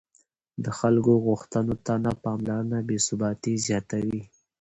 د خلکو غوښتنو ته نه پاملرنه بې ثباتي زیاتوي